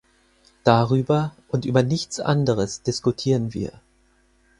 Darüber und über nichts anderes diskutieren wir.